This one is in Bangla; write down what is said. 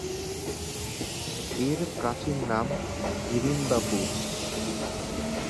এর প্রাচীন নাম হিড়িম্বাপুর।